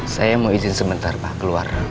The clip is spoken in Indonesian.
saya mau izin sebentar pak keluar